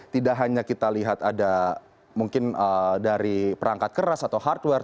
tidak hanya kita lihat ada mungkin dari perangkat keras atau hardware